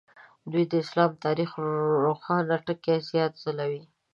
دوی د اسلام تاریخ روښانه ټکي زیات ځلوي.